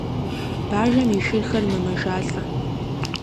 Бажэм и шырхэр мэмэжалӏэ.